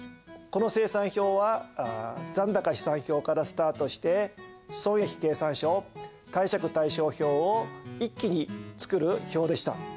この精算表は残高試算表からスタートして損益計算書貸借対照表を一気に作る表でした。